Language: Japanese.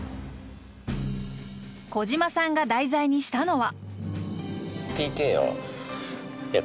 小島さんが題材にしたのは。